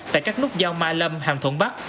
tại các nút giao mai lâm hàng thuận bắc